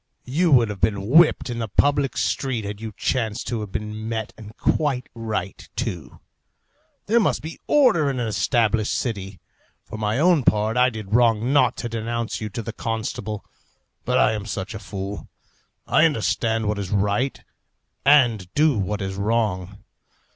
You would have been whipped in the public street had you chanced to have been met, and quite right, too. There must be order in an established city. For my own part, I did wrong not to denounce you to the constable. But I am such a fool! I understand what is right and do what is wrong.